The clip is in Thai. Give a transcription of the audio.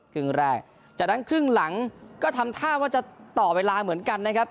ครึ่งแรกจากนั้นครึ่งหลังก็ทำท่าว่าจะต่อเวลาเหมือนกันนะครับ